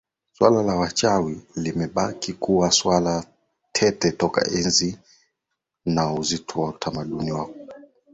Swala la wachawi limebakia kuwa swala tete toka enzi na enziUtamaduni wa toka